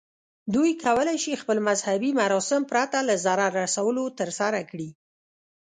دوی کولی شي خپل مذهبي مراسم پرته له ضرر رسولو ترسره کړي.